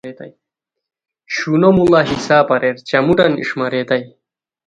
شونو موڑا حساب اریر چموٹان اݰماریتائے